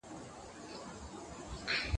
چي کوټې ته د خاوند سو ور دننه